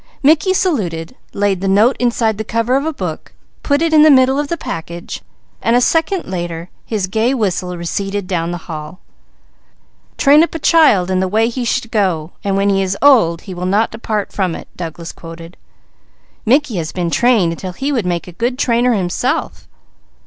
Mickey saluted, laid the note inside the cover of a book, put it in the middle of the package, and a second later his gay whistle receded down the hall. "'Train up a child in the way he should go, and when he is old he will not depart from it,'" Douglas quoted. "Mickey has been trained until he would make a good trainer himself."